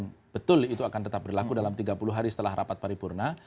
memang betul itu akan tetap berlaku dalam tiga puluh hari setelah rapat paripurna